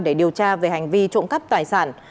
để điều tra về hành vi trộm cắp tài sản